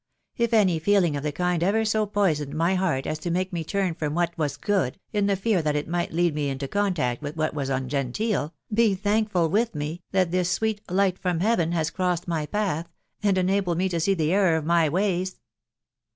if any feeling of the kind ever so poisoned my heart as to make me turn from what was good, in the fear that it might lead me into contact with what was ungentecl, be thankful with me, that this sweet ' light from heaven ' has crossed my path, and enabled me to see the error of my ways."